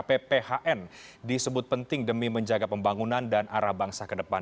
pphn disebut penting demi menjaga pembangunan dan arah bangsa ke depan